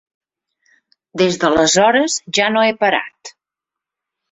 Des d'aleshores ja no he parat.